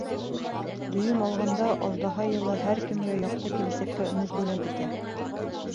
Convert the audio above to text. Дөйөм алғанда, Аждаһа йылы һәр кемгә яҡты киләсәккә өмөт бүләк итә.